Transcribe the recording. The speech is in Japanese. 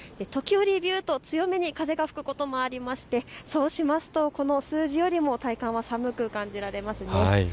時折、びゅーっと強めに風が吹くこともありまして、そうしますとこの数字よりも体感は寒く感じられますね。